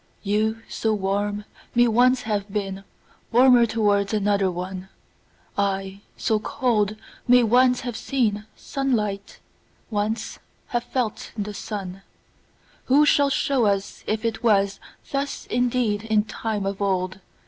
You, so warm, may once have beenWarmer towards another one:I, so cold, may once have seenSunlight, once have felt the sun:Who shall show us if it wasThus indeed in time of old?